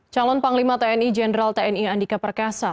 calon panglima tni jenderal tni andika perkasa